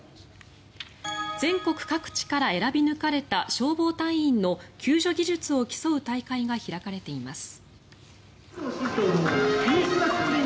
全国各地から選び抜かれた消防隊員の救助技術を競う大会が開かれています。